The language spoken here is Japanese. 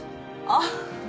あっ。